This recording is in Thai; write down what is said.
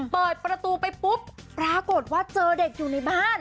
เปิดประตูไปปุ๊บปรากฏว่าเจอเด็กอยู่ในบ้าน